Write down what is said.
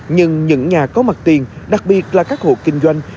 nhưng những nhà có mặt tiền đặc biệt là các hộ kinh doanh